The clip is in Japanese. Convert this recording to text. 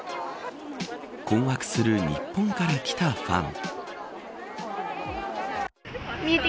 困惑する日本から来たファン。